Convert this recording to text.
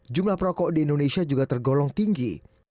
jumlah perokok di indonesia juga tergolong tinggi